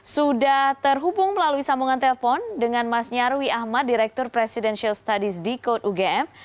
sudah terhubung melalui sambungan telpon dengan mas nyarwi ahmad direktur presidential studies dekode ugm